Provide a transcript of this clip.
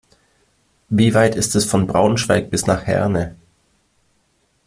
Wie weit ist es von Braunschweig bis nach Herne?